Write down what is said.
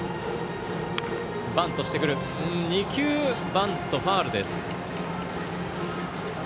２球バント、ファウルです。